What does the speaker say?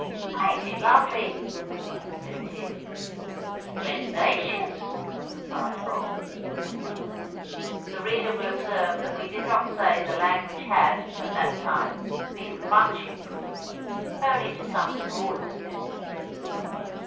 "Ain't it lovely?" said Tim. "Splendacious!" replied Bob. The reader will observe that we did not say the language had, at that time, been much improved! only to some small extent.